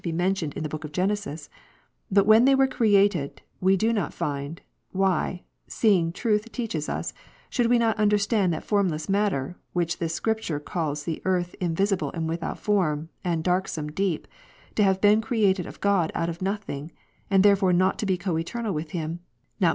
267 be mentioned in the book of Genesis, but when they were created, we do not find; why (seeing truth teaches us) should we not understand that formless matter (which this Scripture calls the earth invisible and without fornix and darksome deep) to have been created of God out of nothing, and therefore not to be coeternal to Him ; notwithstanding this history hath omitted to shew when it was created ?" [XXIII.